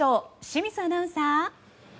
清水アナウンサー。